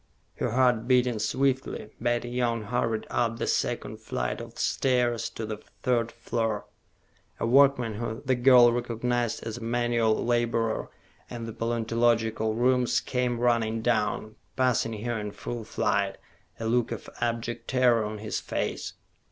Her heart beating swiftly, Betty Young hurried up the second flight of stairs to the third floor. A workman, whom the girl recognized as a manual laborer in the paleontological rooms, came running down, passing her in full flight, a look of abject terror on his face.